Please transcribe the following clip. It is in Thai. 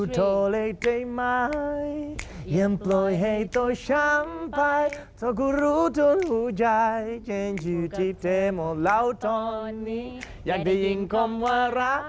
ถามสเปกสาวบ้างดีกว่า